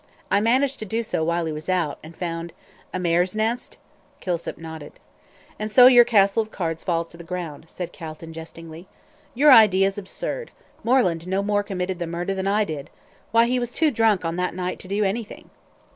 I managed to do so while he was out, and found " "A mare's nest?" Kilsip nodded. "And so your castle of cards falls to the ground," said Calton, jestingly. "Your idea is absurd. Moreland no more committed the murder than I did. Why, he was too drunk on that night to do anything."